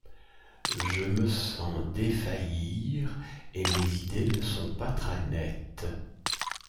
Je me sens défaillir, et mes idées ne sont pas très nettes...